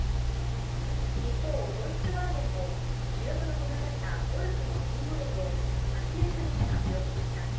一方、フォルクスワーゲンも主力の小型車ゴルフの新モデルを８年ぶりに発表しました。